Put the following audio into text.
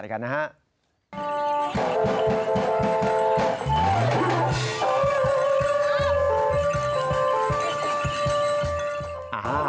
ดูภาพบรรยากาศด้วยกันนะฮะ